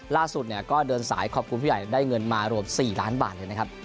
ล่าสุดเข้าไปได้เงินมารวม๔ล้านบาท